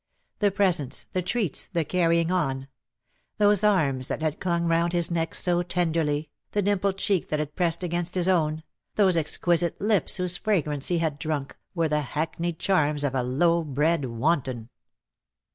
The presents, the treats, the carrying on! Those arms that had clung round his neck so tenderly, the dimpled cheek that had pressed against his own, those exquisite lips whose fragrance he had drunk, were the hackneyed charms of a lowbred wanton.